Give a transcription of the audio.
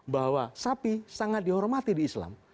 bahwa sapi sangat dihormati di islam